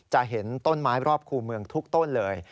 จะเห็นต้นไม้รอบคู่เมืองทุกต้นเลย